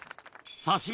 刺身